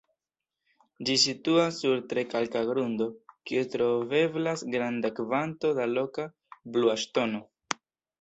Ĝi situas sur tre kalka grundo, kie troveblas granda kvanto da loka "blua ŝtono".